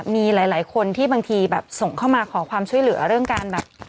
มีหลายคนที่บางทีแบบส่งเข้ามาขอความช่วยเหลือเรื่องการแบบ